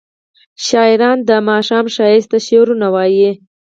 شاعران د ماښام ښکلا ته شعرونه وايي.